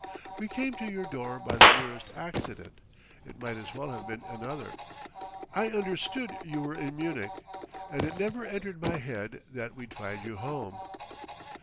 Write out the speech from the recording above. "We came to your door by the merest accident it might as well have been another. I understood you were in Munich, and it never entered my head that we'd find you home."